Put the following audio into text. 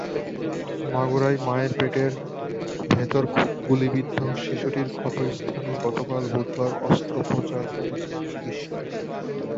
মাগুরায় মায়ের পেটের ভেতর গুলিবিদ্ধ শিশুটির ক্ষতস্থানে গতকাল বুধবার অস্ত্রোপচার করেছেন চিকিৎসকেরা।